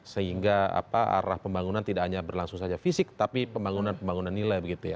sehingga arah pembangunan tidak hanya berlangsung saja fisik tapi pembangunan nilai